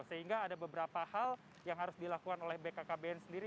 sehingga ada beberapa hal yang harus dilakukan oleh bkkbn sendiri